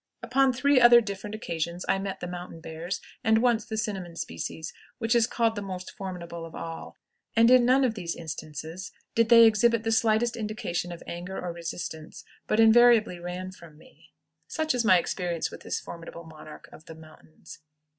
Upon three other different occasions I met the mountain bears, and once the cinnamon species, which is called the most formidable of all, and in none of these instances did they exhibit the slightest indication of anger or resistance, but invariably ran from me. Such is my experience with this formidable monarch of the mountains.